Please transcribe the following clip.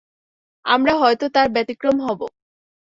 আমরা হয়তো তার ব্যতিক্রম হবো।